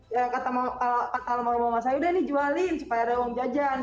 ya kata sama rumah saya udah nih jualin supaya ada uang jajan